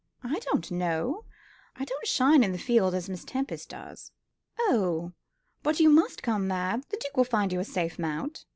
"I don't know. I don't shine in the field, as Miss Tempest does." "Oh, but you must come, Mab. The Duke will find you a safe mount."